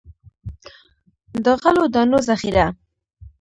د غلو دانو ذخیره.